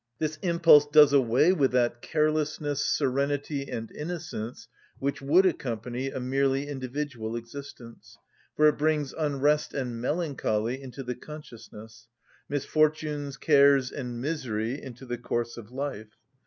This impulse does away with that carelessness, serenity, and innocence which would accompany a merely individual existence, for it brings unrest and melancholy into the consciousness; misfortunes, cares, and misery into the course of life.